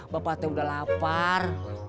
bapak teh udah lapar